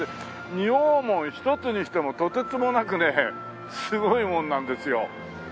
二王門一つにしてもとてつもなくねすごいものなんですよ。